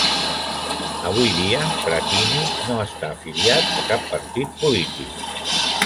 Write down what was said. Avui dia Frattini no està afiliat a cap partit polític.